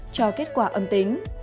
cho kết quả âm tính